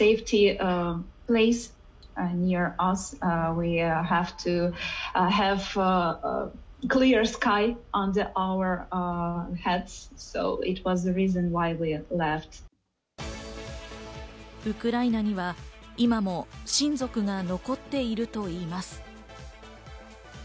ウクライナには今も親族が残っているといいます。